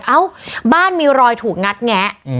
เอ้าบ้านมีรอยถูกงัดแงะ